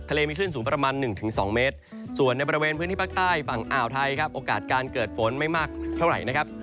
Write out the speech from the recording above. มีคลื่นสูงประมาณ๑๒เมตรส่วนในบริเวณพื้นที่ภาคใต้ฝั่งอ่าวไทยครับโอกาสการเกิดฝนไม่มากเท่าไหร่นะครับ